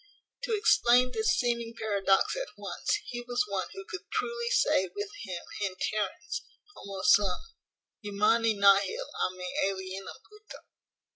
To explain this seeming paradox at once, he was one who could truly say with him in Terence, Homo sum: humani nihil a me alienum puto.